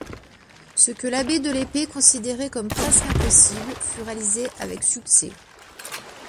Ce que l'abbé de l'Épée considérait comme presque impossible fut réalisé avec succès.